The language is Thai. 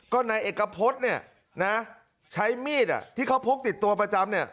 ก็นายเอกพฤษเนี่ยนะใช้มีดที่เขาพกติดตัวประจำเนี่ย